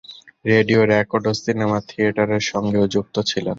Radio record ও cinema থিয়েটারের সঙ্গেও যুক্ত ছিলেন।